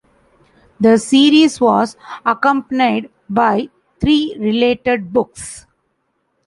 The series was accompanied by three related books.